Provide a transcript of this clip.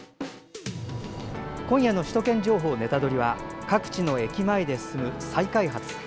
今夜の「首都圏情報ネタドリ！」は各地の駅前で進む再開発。